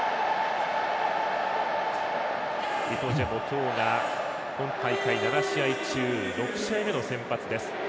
イトジェも今日が今大会７試合中６試合目の先発です。